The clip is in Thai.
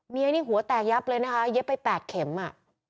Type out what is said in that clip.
เมียนี่หัวแตกยับเลยนะคะเย็บไป๘เข็มอ่ะ